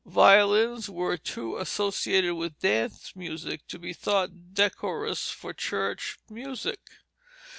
Violins were too associated with dance music to be thought decorous for church music.